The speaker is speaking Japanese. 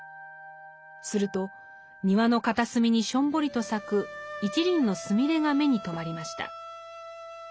すると庭の片隅にしょんぼりと咲く一輪のスミレが目に留まりました。